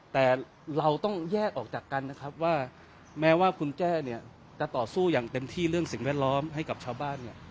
แต่เราต้องแยกออกจากกันนะครับว่าแม้ว่าคุณแจ้เนี่ยจะต่อสู้อย่างเต็มที่เรื่องสิ่งแวดล้อมให้กับชาวบ้านเนี่ย